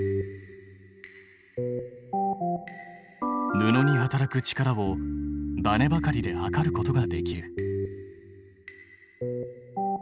布に働く力をバネばかりで測ることができる。